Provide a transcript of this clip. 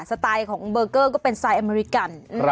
สไตล์ของเบอร์เกอร์ก็เป็นสไตลอเมริกัน